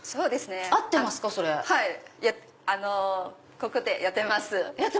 ここでやってます。